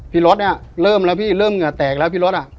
พี่รถเริ่มแล้วพี่เริ่มเหงื่อแตกแล้วพี่รถอ่ะ